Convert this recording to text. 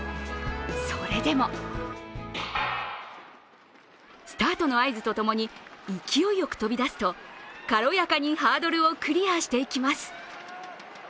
それでも、スタートの合図とともに勢いよく飛びだすと軽やかにハードルをクリアしていきます。